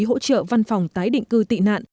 hỗ trợ văn phòng tái định cư tị nạn